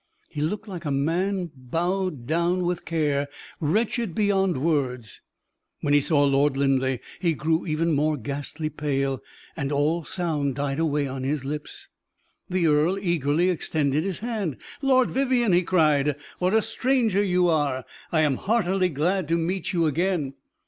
He looked like a man bowed down with care, wretched beyond words. When he saw Lord Linleigh he grew even more ghastly pale, and all sound died away on his lips. The earl eagerly extended his hand. "Lord Vivianne!" he cried, "what a stranger you are! I am heartily glad to meet you again."